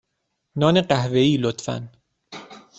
نان قهوه ای، لطفا.